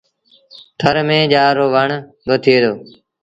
ٿر ميݩ ڄآر رو وڻ با ٿئي دو۔